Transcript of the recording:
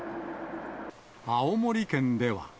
青森県では。